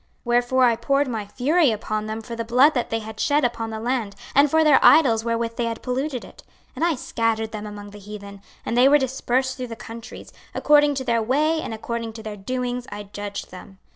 26:036:018 Wherefore I poured my fury upon them for the blood that they had shed upon the land, and for their idols wherewith they had polluted it: 26:036:019 And I scattered them among the heathen, and they were dispersed through the countries: according to their way and according to their doings I judged them.